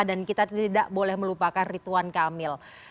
dan kita tidak boleh melupakan ritwan kamil